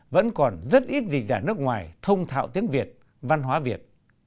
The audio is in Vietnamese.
vẫn còn rất ít dịch giả nước ngoài thông thạo tiếng việt văn hóa việt